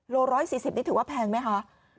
โล๑๔๐นี่ถือว่าแพงไหมคะ